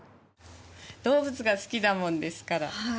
動物が好きなもんですから。